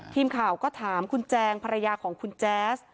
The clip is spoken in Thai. ทีมข่าวก็ถามคุณแจงภรรยาของคุณแจ๊ส